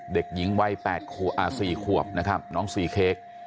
เด็กหญิงวัย๔ขวบน้องซีเค้ก